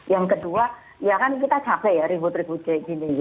yang kedua ya kan kita capek ya ribut ribut kayak gini